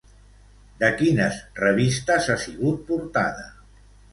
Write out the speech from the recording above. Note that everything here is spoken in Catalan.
De quines revistes ha sigut portada?